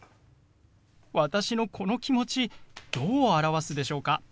私のこの気持ちどう表すでしょうか？